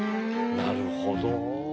なるほど。